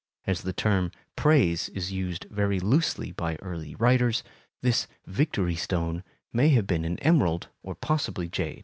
As the term "prase" is used very loosely by early writers, this "victory stone" may have been an emerald or possibly jade.